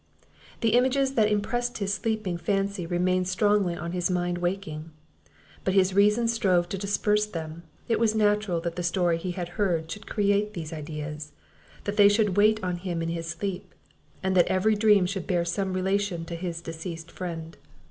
The images that impressed his sleeping fancy remained strongly on his mind waking; but his reason strove to disperse them; it was natural that the story he had heard should create these ideas, that they should wait on him in his sleep, and that every dream should bear some relation to his deceased friend.